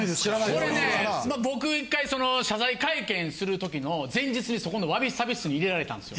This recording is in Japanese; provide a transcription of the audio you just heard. これね僕１回謝罪会見する時の前日にそこのわびさび室に入れられたんですよ。